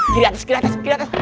kiri atas kiri atas